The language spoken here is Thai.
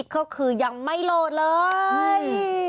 ก็คือยังไม่โหลดเลย